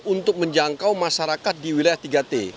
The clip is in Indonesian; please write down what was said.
untuk menjangkau masyarakat di wilayah tiga t